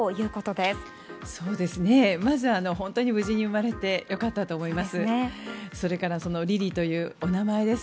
まず本当に無事に生まれてよかったと思います。